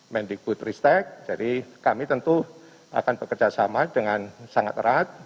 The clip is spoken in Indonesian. mendikbud ristek jadi kami tentu akan bekerjasama dengan sangat erat